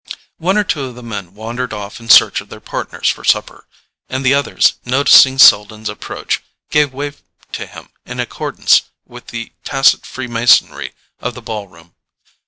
One or two of the men wandered off in search of their partners for supper, and the others, noticing Selden's approach, gave way to him in accordance with the tacit freemasonry of the ball room.